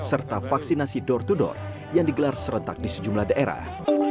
serta vaksinasi door to door yang digelar serentak di sejumlah daerah